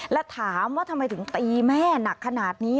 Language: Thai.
และถามว่าทำไมถึงตีแม่หนักขนาดนี้